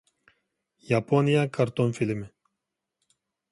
ياپونىيە كارتون فىلىمى